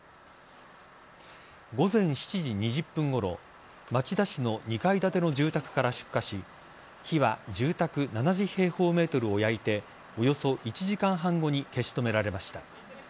午前７時２０分ごろ町田市の２階建ての住宅から出火し火は住宅７０平方ｍを焼いておよそ１時間半後に消し止められました。